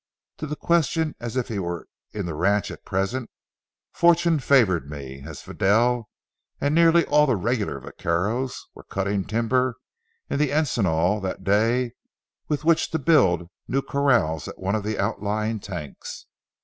To the question if he was in the ranch at present, fortune favored me, as Fidel and nearly all the regular vaqueros were cutting timbers in the encinal that day with which to build new corrals at one of the outlying tanks.